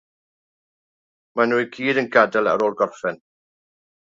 Maen nhw i gyd yn gadael ar ôl gorffen.